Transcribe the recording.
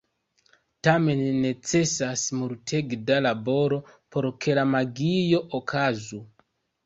Tamen, necesas multege da laboro por ke la magio okazu.